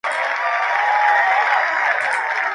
Los legionarios estaban aterrorizados.